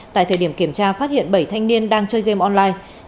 tại thời điểm kiểm tra phát hiện bảy thanh niên đang chơi game online